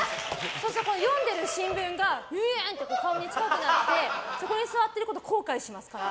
そうすると、読んでる新聞がぐにゃんって顔に近くなってそこに座ってることを後悔しますから。